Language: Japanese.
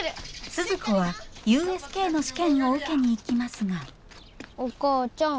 鈴子はＵＳＫの試験を受けに行きますがお母ちゃん。